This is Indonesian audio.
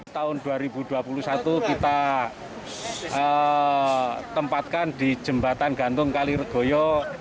tahun dua ribu dua puluh satu kita tempatkan di jembatan gantung kaliregoyo